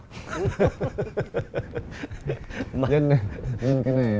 nhưng cái này